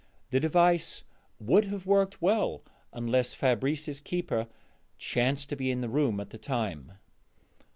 The device would have worked well unless Fabrice's keeper chanced to be in the room at the time.